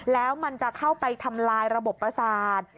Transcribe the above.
แล้วมันจะเข้าไปทำร้ายระบบภาษา